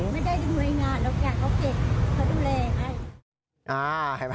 ไม่ได้ดูแลงานหรอกจ้ะเขาเก็บเขาดูแลให้